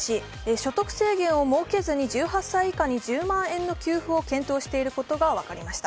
所得制限を設けずに１８歳以下に１０万円の給付を検討していることが分かりました。